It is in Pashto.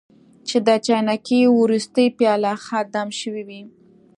چې د چاینکې وروستۍ پیاله ښه دم شوې وي.